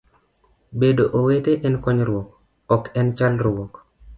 Bedo owete en konyruok ok en chalruok